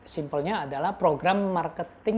simpelnya adalah program marketing